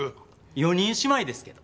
４人姉妹ですけど。